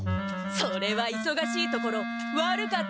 それはいそがしいところ悪かったかな。